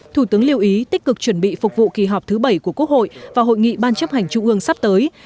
thủ tướng lưu ý tích cực chuẩn bị phục vụ kỳ họp thứ bảy của quốc hội và hội nghị ban chấp hành trung ương sắp tới